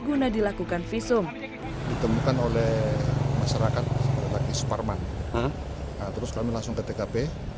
guna dilakukan visum ditemukan oleh masyarakat lagi suparman terus kami langsung ke tkp